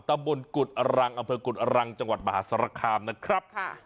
ตำบลกุฎรังอำเภอกุฎอรังจังหวัดมหาสารคามนะครับ